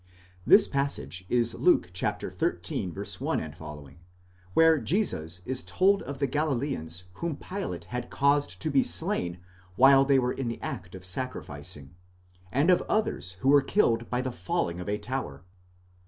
This passage is Luke xtii. 1 ff., where Jesus is told of the Galileans whom Pilate had caused to be slain while they were in the act of sacrificing, and of others who were killed by the falling of a tower.